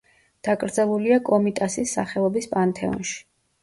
დაკრძალულია კომიტასის სახელობის პანთეონში.